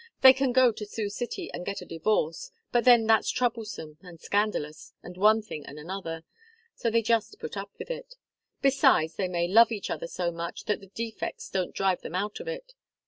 They can go to Sioux City and get a divorce, but then that's troublesome and scandalous, and one thing and another. So they just put up with it. Besides, they may love each other so much that the defects don't drive them out of it.